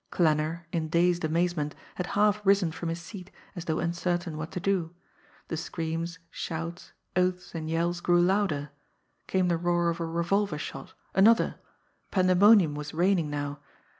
Klanner, in dazed amazement, had half risen from his seat, as though uncertain what to do. The screams, shouts, oaths and yells grew louder came the roar of a revolver shot another pandemonium was reigning now.